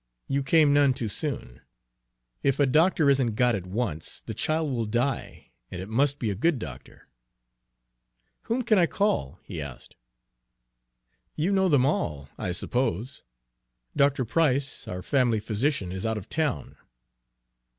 "You came none too soon. If a doctor isn't got at once, the child will die, and it must be a good doctor." "Whom can I call?" he asked. "You know them all, I suppose. Dr. Price, our family physician, is out of town."